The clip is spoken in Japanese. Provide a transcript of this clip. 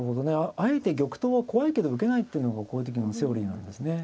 あえて玉頭は怖いけど受けないっていうのがこういう時のセオリーなんですね。